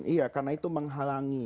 iya karena itu menghalangi